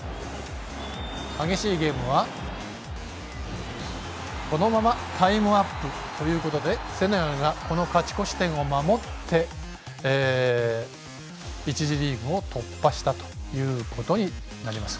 激しいゲームは、このままタイムアップということでセネガルが勝ち越し点を守って１次リーグ突破したということになります。